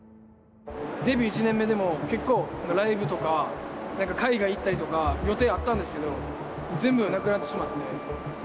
デビュー１年目でも結構ライブとか何か海外行ったりとか予定あったんですけど全部なくなってしまって。